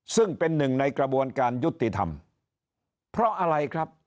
ซึ่งเป็นหนึ่งในกระบวนการยุติธรรมเพราะอะไรครับ